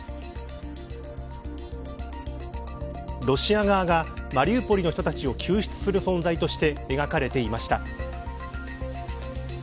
ロシア側がマリウポリの人たちを救出する存在として描かれていました。